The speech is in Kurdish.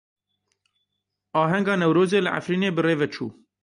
Ahenga Newrozê li Efrînê birêve çû.